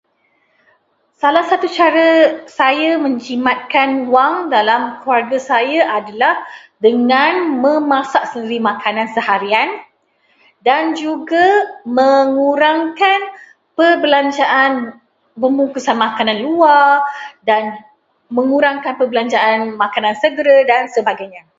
Salah satu cara saya menjimatkan wang dalam keluarga saya adalah dengan memasak sendiri makanan seharian, dan juga mengurangkan perbelanjaan membungkus makanan luar, mengurangkan perbelanjaan makanan segera dan sebagainya.